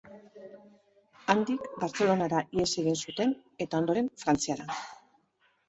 Handik Bartzelonara ihes egin zuten eta, ondoren, Frantziara.